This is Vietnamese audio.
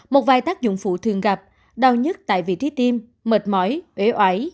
một vài tác dụng phụ thường gặp đau nhất tại vị trí tiêm mệt mỏi ế oảy